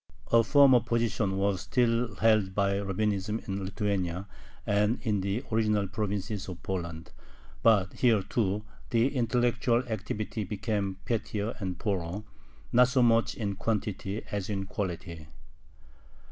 A firmer position was still held by Rabbinism in Lithuania and in the original provinces of Poland. But here too the intellectual activity became pettier and poorer, not so much in quantity as in quality.